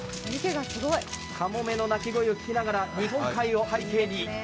かもめの鳴き声を聞きながら日本海を背景に。